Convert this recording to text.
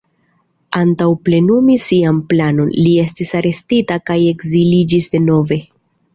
Antaŭ plenumi sian planon, li estis arestita kaj ekziliĝis denove.